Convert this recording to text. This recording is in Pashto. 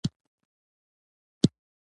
د مرهټیانو ډیپلوماسي ناکامه شوه.